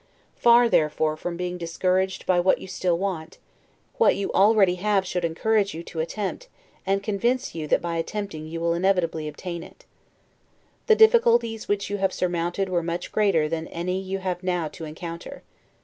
Far, therefore, from being discouraged by what you still want, what you already have should encourage you to attempt, and convince you that by attempting you will inevitably obtain it. The difficulties which you have surmounted were much greater than any you have now to encounter.